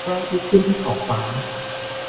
พระอาทิตย์ขึ้นที่ขอบฟ้า